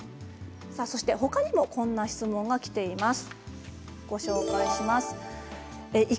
ほかにもこんな質問がきています。